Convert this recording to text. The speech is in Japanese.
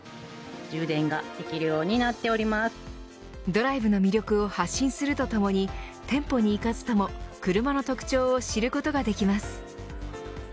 ドライブの魅力を発信するとともに店舗に行かずとも車の特徴を知ることができます。